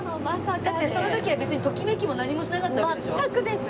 だってその時は別にときめきも何もしなかったわけでしょ？